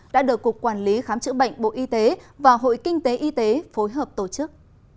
đã được cục quản lý khám chữa bệnh bộ y tế và hội kinh tế y tế phối hợp tổ chức